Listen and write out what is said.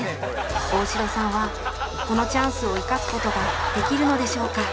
大城さんはこのチャンスを生かす事ができるのでしょうか？